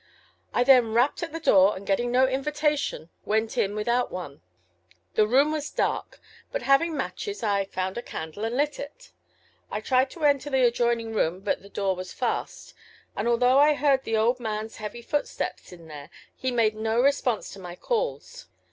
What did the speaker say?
I then rapped at the door, and getting no invitation went in without one. The room was dark, but having matches I found a candle and lit it. I tried to enter the adjoining room, but the door was fast, and although I heard the old manŌĆÖs heavy footsteps in there he made no response to my calls.